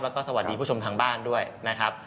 แล้วก็สวัสดีผู้ชมทางบ้านด้วยนะครับ